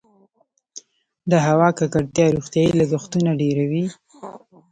د هوا ککړتیا روغتیايي لګښتونه ډیروي؟